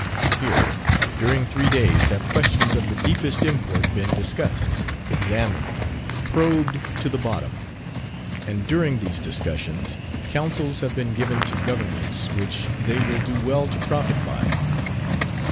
Here, during three days, have questions of the deepest import been discussed, examined, probed to the bottom; and during these discussions, counsels have been given to governments which they will do well to profit by.